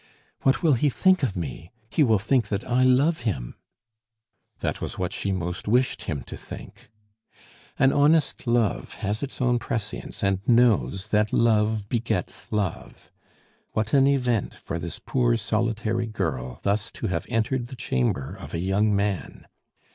"What will he think of me? He will think that I love him!" That was what she most wished him to think. An honest love has its own prescience, and knows that love begets love. What an event for this poor solitary girl thus to have entered the chamber of a young man!